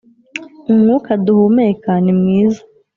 umwuka duhumeka nimwiza